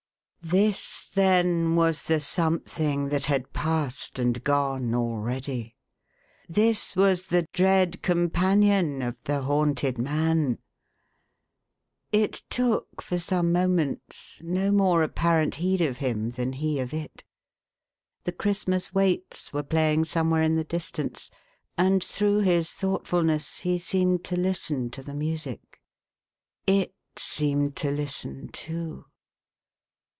This, then, was the Something that had passed and gone already. This was the dread companion /of the haunted man ! It took, for some moments, no more apparent heed of him, than he of it. The Christmas Waits were playing somewhere in the distance, and, through his thoughtfulness, he seemed to listen to the music. It seemed to listen too.